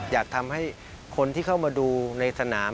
อยากทำให้คนที่เข้ามาดูในสนาม